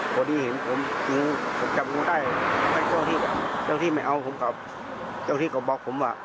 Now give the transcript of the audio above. พอดีเห็นผมถึงผมจับงูได้เจ้าที่จับเจ้าที่ไม่เอาผมกลับเจ้าที่ก็บอกผมว่า